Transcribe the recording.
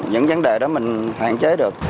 những vấn đề đó mình hạn chế được